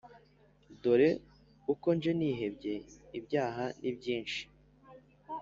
Dore uko nje nihebye ibyaha ni byinshi